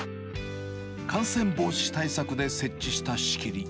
感染防止対策で設置した仕切り。